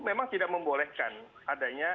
memang tidak membolehkan adanya